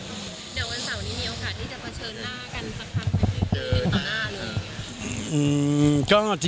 เดี๋ยววันเสาร์นี้มีโอกาสที่จะเผชิญหน้ากันสักครั้งไหมครับ